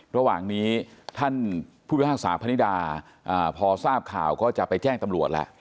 ระหว่างนี้ท่านผู้พิพากษาพนิดาพอทราบข่าวก็จะไปแจ้งตำรวจแล้ว